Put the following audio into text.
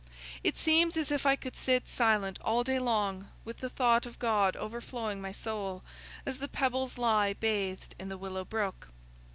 It seems as if I could sit silent all day long with the thought of God overflowing my soul—as the pebbles lie bathed in the Willow Brook.